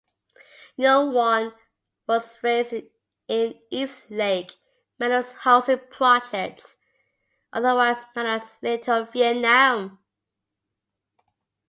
Yung Wun was raised in Eastlake Meadows housing projects, otherwise known as "Little Vietnam".